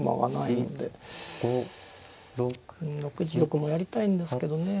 うん６一玉もやりたいんですけどね。